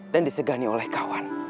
dan disegani oleh kawan